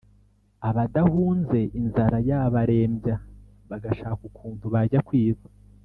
abadahunze inzara yabarembya bagashaka ukuntu bajya kwiba